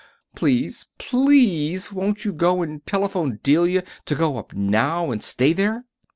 Please, please won't you go and telephone Delia to go up now and stay there?"